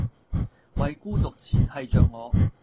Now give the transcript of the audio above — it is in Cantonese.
為孤獨纏繫著我